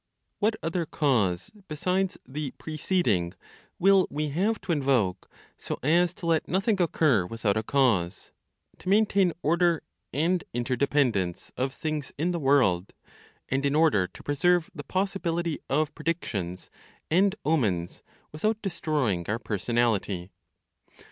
What other cause, besides the preceding, will we have to invoke so as to let nothing occur without a cause, to maintain order and interdependence of things in the world, and in order to preserve the possibility of predictions and omens without destroying our personality?